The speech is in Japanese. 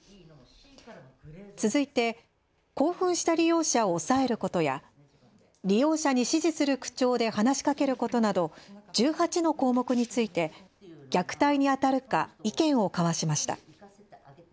続いて興奮した利用者を押さえることや、利用者に指示する口調で話しかけることなど１８の項目について虐待にあたるか意見を交わしました。